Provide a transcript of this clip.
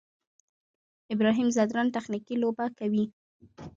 ابراهیم ځدراڼ تخنیکي لوبه کوي.